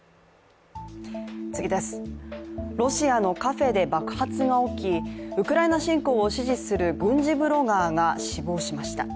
ロシアのカフェで爆発が起きウクライナ侵攻を支持する軍事ブロガーが死亡しました。